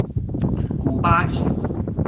舊把戲